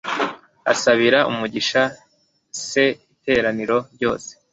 asabira umugisha s iteraniro ryose